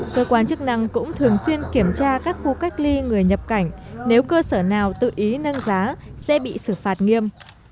cơ quan chức năng cũng thường xuyên kiểm tra các khu cách ly người nhập cảnh nếu cơ sở nào tự ý nâng giá sẽ bị xử phạt nghiêm